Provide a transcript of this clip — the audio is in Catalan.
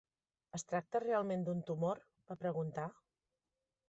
"Es tracta realment d'un tumor?", va preguntar.